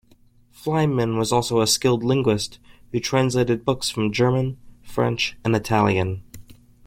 Fyleman was also a skilled linguist who translated books from German, French and Italian.